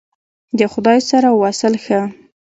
د خدای سره وصل ښه !